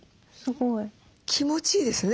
気持ちいいですね。